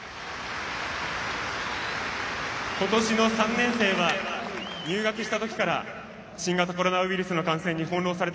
今年の３年生は入学した時から新型コロナウイルスの感染に翻弄されてきました。